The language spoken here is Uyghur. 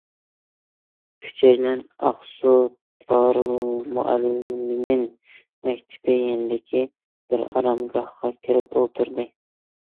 ئۈچەيلەن ئاقسۇ دارىلمۇئەللىمىن مەكتىپى يېنىدىكى بىر ئارامگاھقا كىرىپ ئولتۇردى.